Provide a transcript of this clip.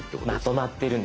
まとまってるんです。